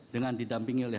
dengan didampingi oleh